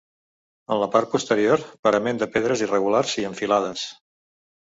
En la part posterior, parament de pedres irregulars i en filades.